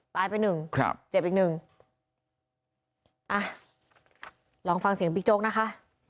ตายไปหนึ่งครับเจ็บอีกหนึ่งอ่ะลองฟังเสียงบิ๊กโจ๊กนะคะ